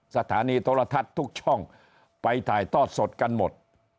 สถานีโธระทัศน์ทุกช่องไปถ่ายต้อดเศรษฐกันหมด